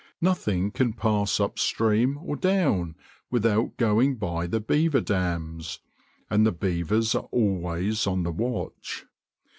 Nothing can pass upstream or down without going by the beaver dams, and the beavers are always on the watch.